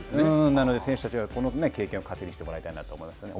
なので、選手たちがこの経験を糧にしてもらいたいなと思いますよね。